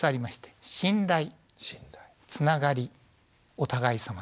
この「お互いさま」